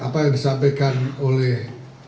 apa yang disampaikan oleh